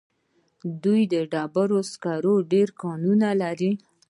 دوی د ډبرو سکرو ډېر کانونه لري.